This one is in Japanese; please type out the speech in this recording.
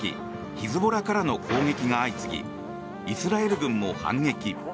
ヒズボラからの攻撃が相次ぎイスラエル軍も反撃。